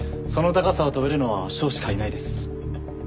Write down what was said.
その高さを跳べるのは翔しかいないです。